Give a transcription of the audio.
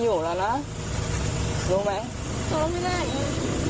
น้องได้ไปไหนลูก